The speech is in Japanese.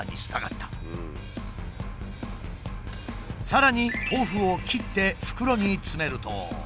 さらに豆腐を切って袋に詰めると。